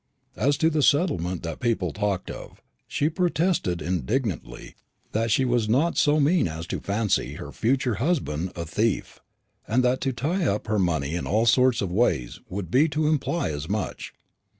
As to the settlements that people talked of, she protested indignantly that she was not so mean as to fancy her future husband a thief, and that to tie up her money in all sorts of ways would be to imply as much.